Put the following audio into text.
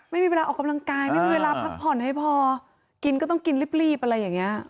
ไม่มีเวลาออกกำลังกายไม่มีเวลาพักผ่อนให้พอกินก็ต้องกินรีบอะไรอย่างนี้